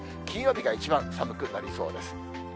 金曜日が一番寒くなりそうです。